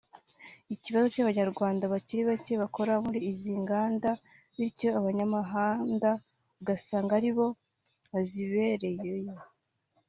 Ikibazo cy’Abanyarwanda bakiri bake bakora muri izi nganda bityo abanyamahanda ugasanga ari bo bazibereyo